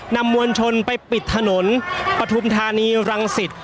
นำมวลชนไปปิดถนนปฐุมธานีรังศิษย์